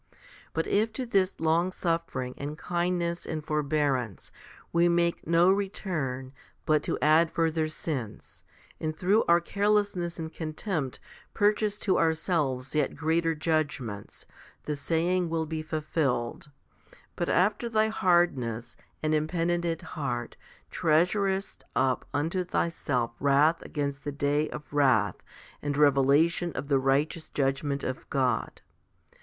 1 But if to this longsuffering and kindness and forbearance we make no return but to add further sins, and through our carelessness and contempt purchase to ourselves yet greater judgments, the saying will be fulfilled, But after thy hard ness and impenitent heart treasurest up unto thyself wrath against the day of wrath and revelation of the righteous judgment of God.